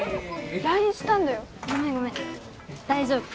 大丈夫？